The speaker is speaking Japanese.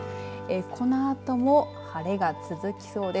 このあとも晴れが続きそうです。